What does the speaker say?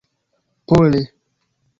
pole